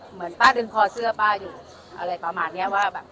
เหมือนป้าดึงคอเสื้อป้าอยู่อะไรประมาณนี้